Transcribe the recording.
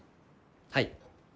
はい。